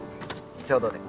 ちょうどで。